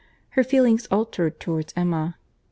Her feelings altered towards Emma.